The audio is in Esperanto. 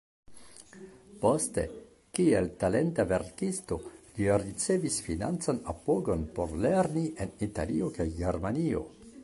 Poste, kiel talenta verkisto, li ricevis financan apogon por lerni en Italio kaj Germanio.